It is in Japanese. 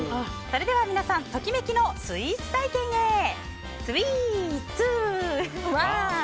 それでは皆さんときめきのスイーツ体験へスイー、ツー、ワン！